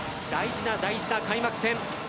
大事な大事な開幕戦。